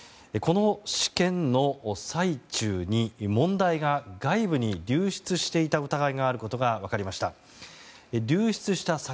この試験の最中に問題が外部に流出していた疑いがあることが分かりました。